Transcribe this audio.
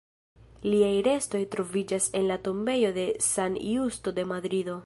Liaj restoj troviĝas en la tombejo de San Justo de Madrido.